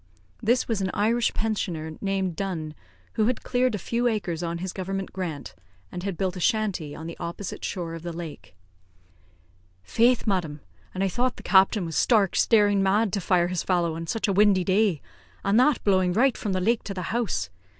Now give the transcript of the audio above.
This was an Irish pensioner named Dunn, who had cleared a few acres on his government grant, and had built a shanty on the opposite shore of the lake. "Faith, madam! an' I thought the captain was stark, staring mad to fire his fallow on such a windy day, and that blowing right from the lake to the house.